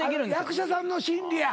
役者さんの心理や。